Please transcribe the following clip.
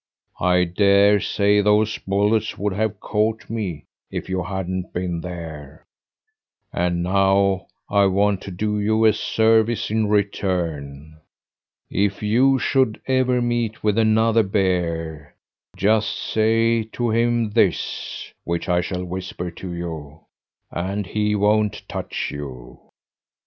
"I dare say those bullets would have caught me if you hadn't been there. And now I want to do you a service in return. If you should ever meet with another bear, just say to him this which I shall whisper to you and he won't touch you."